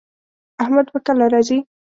احمد به کله راځي